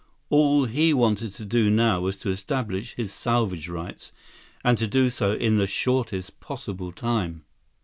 All he wanted to do now was to establish his salvage rights, and do so in the shortest possible time.